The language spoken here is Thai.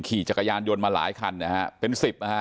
ขี่จักรยานยนต์มาหลายคัน